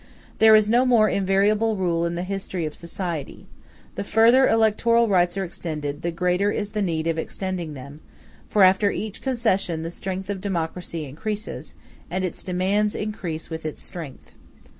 There is no more invariable rule in the history of society: the further electoral rights are extended, the greater is the need of extending them; for after each concession the strength of the democracy increases, and its demands increase with its strength.